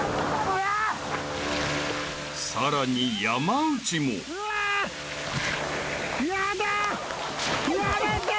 ［さらに山内も］やめて！